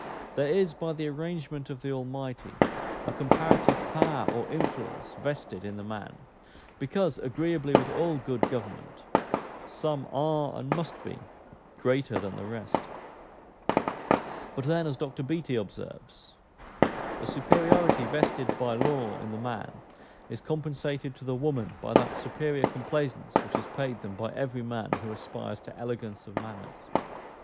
There is, by the arrangement of the Almighty, a comparative power or influence vested in the man, because, agreeably with all good government, "Some are, and must be, greater than the rest;" but then, as Dr Beattie observes, "the superiority vested by law in the man is compensated to the woman by that superior complaisance which is paid them by every man who aspires to elegance of manners."